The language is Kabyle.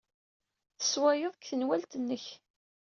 Tessewwayeḍ deg tenwalt-nnek.